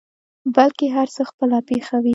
بلکې هر څه خپله پېښوي.